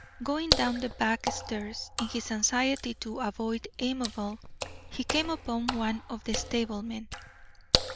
Going down the back stairs, in his anxiety to avoid Amabel, he came upon one of the stablemen.